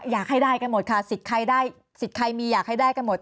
อยากให้ได้กันหมดค่ะสิทธิ์ใครมีอยากให้ได้กันหมด